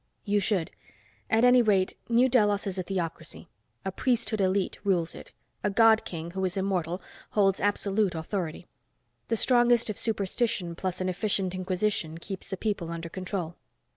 "You should. At any rate, New Delos is a theocracy. A priesthood elite rules it. A God King, who is immortal, holds absolute authority. The strongest of superstition plus an efficient inquisition, keeps the people under control."